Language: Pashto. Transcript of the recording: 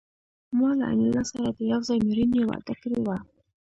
ما له انیلا سره د یو ځای مړینې وعده کړې وه